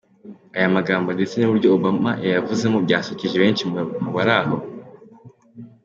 Aya magambo ndetse n’uburyo Obama yayavuzemo byasekeje benshi mu bari aho.